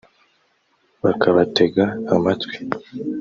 bakabatega amatwi